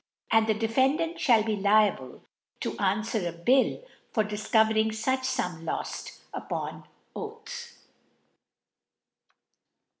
And the Defendant ihall be liable tb an ' fwer a Bill for difcovering fuch Sum loft, upon Oath.